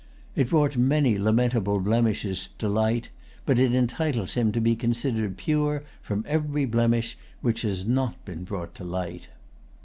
It brought many lamentable blemishes to[Pg 123] light; but it entitles him to be considered pure from every blemish which has not been brought to light.